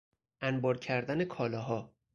انبار کردن کالاها